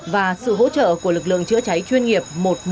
và sự hỗ trợ của lực lượng chữa cháy chuyên nghiệp một trăm một mươi một